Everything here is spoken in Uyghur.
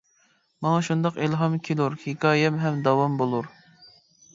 ماڭا شۇنداق ئىلھام كېلۇر، ھېكايەم ھەم داۋام بولۇر.